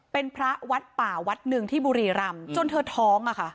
เป็นพระวัดป่าวัดหนึ่งที่บุรีรำจนเธอท้องอะค่ะ